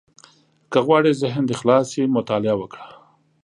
• که غواړې ذهن دې خلاص شي، مطالعه وکړه.